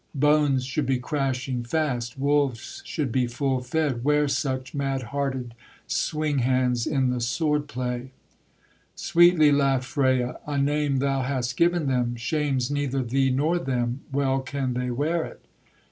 Bones should be crashing fast, Wolves should be full fed, Where such, mad hearted, Swing hands in the sword play.' Sweetly laughed Freya: 'A name thou hast given them, Shames neither thee nor them, Well can they wear it.